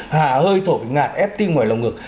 hà hơi thổi ngạt ép tin ngoài lòng ngực